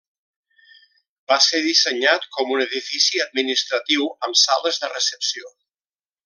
Va ser dissenyat com un edifici administratiu amb sales de recepció.